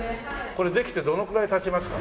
これできてどのくらい経ちますか？